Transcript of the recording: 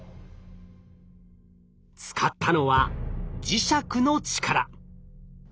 使ったのは磁石の力。